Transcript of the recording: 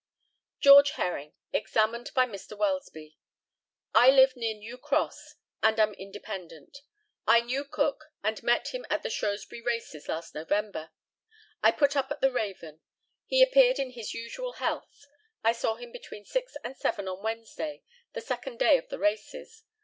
GEORGE HERRING, examined by Mr. WELSBY: I live near New Cross, and am independent. I knew Cook, and met him at the Shrewsbury races last November. I put up at the Raven. He appeared in his usual health. I saw him between six and seven on Wednesday, the second day of the races.